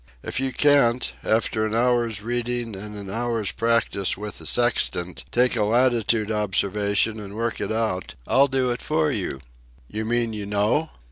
If you can't, after an hour's reading and an hour's practice with the sextant, take a latitude observation and work it out, I'll do it for you." "You mean you know?"